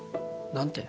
何て？